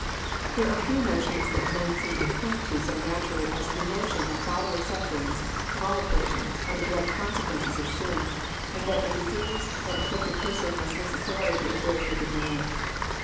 There are few notions that men seem to cling to so naturally, as the notion that bodily saf ferings, and all afflictions, are the direct consequences of sin, and that a diseased or afflicted person must necessarily be a very wicked man.